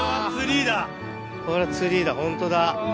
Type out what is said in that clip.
これツリーだホントだ。